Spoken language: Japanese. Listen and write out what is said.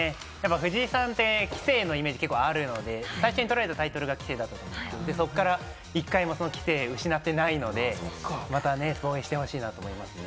藤井さんは棋聖のイメージがあるので、最初に取られたタイトルが棋聖なので、そこから１回も失っていないので、また防衛してほしいなと思います。